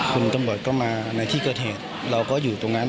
คุณตำรวจก็มาในที่เกิดเหตุเราก็อยู่ตรงนั้น